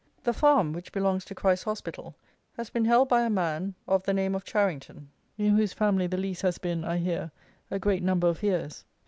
The farm, which belongs to Christ's Hospital, has been held by a man of the name of Charington, in whose family the lease has been, I hear, a great number of years.